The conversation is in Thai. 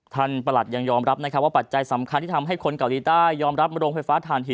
ประหลัดยังยอมรับนะครับว่าปัจจัยสำคัญที่ทำให้คนเกาหลีใต้ยอมรับโรงไฟฟ้าฐานหิน